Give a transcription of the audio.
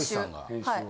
はい。